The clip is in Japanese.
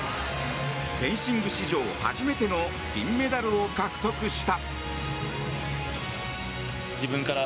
フェンシング史上初めての金メダルを獲得した。